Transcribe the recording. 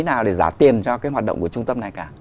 thế nào để giả tiền cho cái hoạt động của trung tâm này cả